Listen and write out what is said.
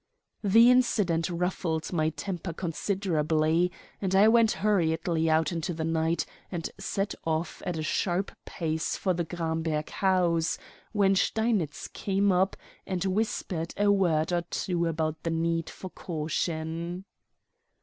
The incident ruffled my temper considerably, and I went hurriedly out into the night and set off at a sharp pace for the Gramberg house, when Steinitz came up and whispered a word or two about the need for caution.